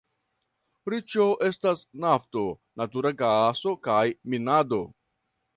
Riĉo estas nafto, natura gaso kaj minado.